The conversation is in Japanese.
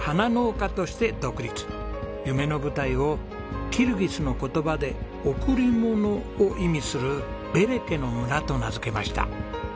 夢の舞台をキルギスの言葉で「贈り物」を意味する「ベレケの村」と名付けました。